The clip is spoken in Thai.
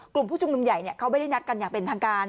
กลุ่มผู้ชุมนุมใหญ่เขาไม่ได้นัดกันอย่างเป็นทางการ